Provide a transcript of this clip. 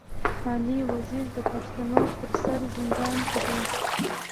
علي وزير د پښتنو پر سر زندان کي دی.